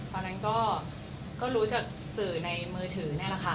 ตอนนั้นก็รู้จากสื่อในมือถือนี่แหละค่ะ